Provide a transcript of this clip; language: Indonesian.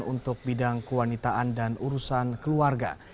untuk bidang kewanitaan dan urusan keluarga